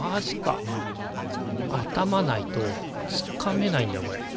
頭ないとつかめないんだこれ。